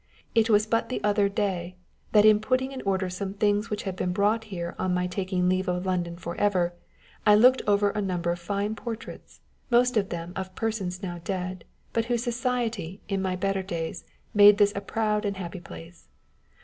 It was but the other day, that in putting in order some things which had been brought here on my taking leave of London for ever, I looked over a number of fine portraits, most of them of persons now dead, but whose society, in my better days, made this a proud and happy place.